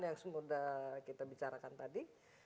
yang semua udah kita bicarakan tadi